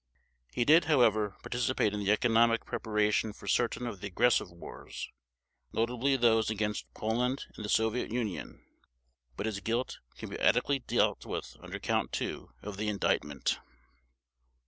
He did, however, participate in the economic preparation for certain of the aggressive wars, notably those against Poland and the Soviet Union, but his guilt can be adequately dealt with under Count Two of the Indictment.